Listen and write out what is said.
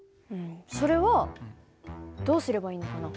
それはどうすればいいのかな？